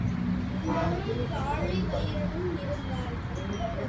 இப்பத்தான் முழுவருடப் பரீட்சை எழுதினேன்.